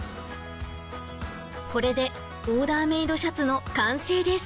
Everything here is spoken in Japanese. これでオーダーメイドシャツの完成です。